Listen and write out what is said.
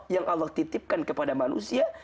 yang allah titipkan kepada manusia